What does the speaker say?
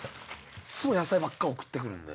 いっつも野菜ばっか送ってくるんで。